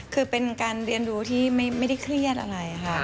คือเป็นการเรียนรู้ที่ไม่ได้เครียดอะไรค่ะ